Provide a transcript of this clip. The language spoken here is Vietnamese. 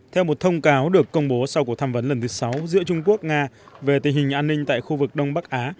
theo một thông cáo được công bố sau cuộc thăm vấn lần thứ sáu giữa trung quốc nga về tình hình an ninh tại khu vực đông bắc á